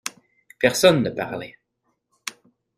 Personne ne parlait.